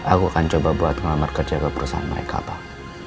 aku akan coba buat melamar kerja ke perusahaan mereka pak